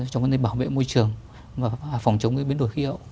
trong vấn đề bảo vệ môi trường và phòng chống biến đổi khí hậu